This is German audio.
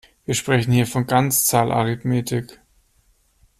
Wir sprechen hier von Ganzzahlarithmetik.